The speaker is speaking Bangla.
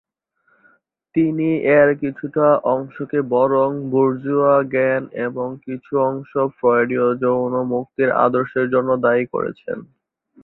তিনি এর কিছুটা অংশকে "বরং বুর্জোয়া জ্ঞান" এবং কিছু অংশ ফ্রয়েডীয় যৌন মুক্তির আদর্শের জন্য দায়ী করেছেন।